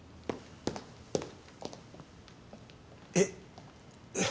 えっ。